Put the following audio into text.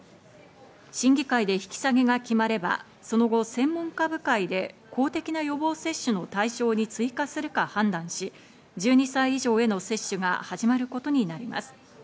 審議会で引き下げが決まれば、その後専門家部会で公的な予防接種の対象に追加するか判断し、１２歳以上への接種が始まることになります。